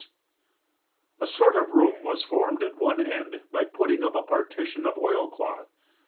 A sort of room was formed at one end by putting up a partition of oilcloth.